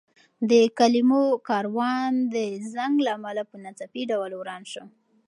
د کلمو کاروان د زنګ له امله په ناڅاپي ډول وران شو.